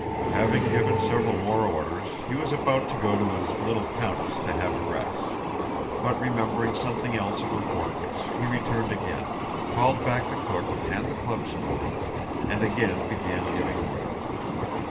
Having given several more orders, he was about to go to his "little countess" to have a rest, but remembering something else of importance, he returned again, called back the cook and the club steward, and again began giving orders.